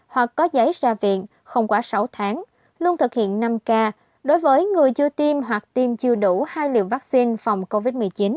hoặc có giấy ra viện không quá sáu tháng luôn thực hiện năm k đối với người chưa tiêm hoặc tiêm chưa đủ hai liều vaccine phòng covid một mươi chín